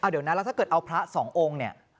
เดี๋ยวนะแล้วถ้าเกิดเอาพระสององค์เนี่ย